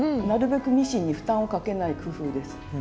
なるべくミシンに負担をかけない工夫です。